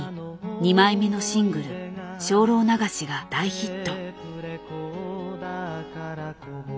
２枚目のシングル「精霊流し」が大ヒット。